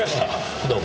どうも。